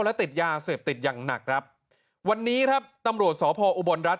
และติดยาเสพติดอย่างหนักครับวันนี้ครับตำรวจสพออุบลรัฐ